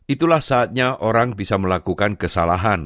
itulah saatnya orang bisa melakukan kesalahan